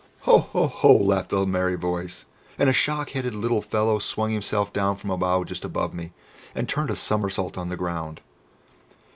"Ho! ho! ho!" laughed a merry voice, and a shock headed little fellow swung himself down from a bough just behind me, and turned a somersault on the ground.